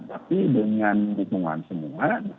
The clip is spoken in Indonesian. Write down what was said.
tapi dengan keinginan semua